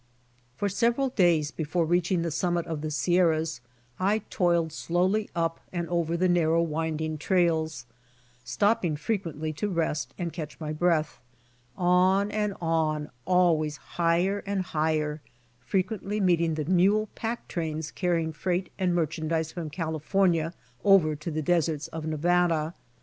For several days before reaching the sunnmit of the Sierras I toiled slowly up and over the narrow winding trails, stopping frequently to rest and catch my breath, on and on and always higher and higher, frequently mieeting the mule pack trains carrying freight and merchandise from California over to the deserts of Nevada.